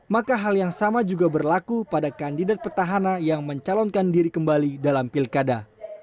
maka hal yang sama juga berlaku pada kandidat petahana yang mencalonkan diri kembali dalam pilkada